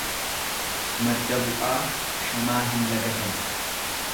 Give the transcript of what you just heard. Madda bu'aa shamaa hin lagatan.